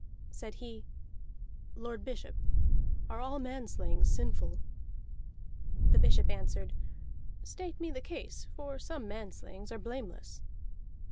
Said he: "Lord Bishop, are all manslayings sinful?" The bishop answered: "State me the case, for some manslayings are blameless."